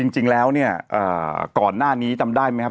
จริงแล้วเนี่ยก่อนหน้านี้จำได้ไหมครับ